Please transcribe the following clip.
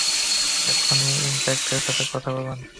এক্ষুনই ইন্সপেক্টরের সাথে কথা বলুন।